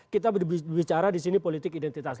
kita berbicara di sini politik identitas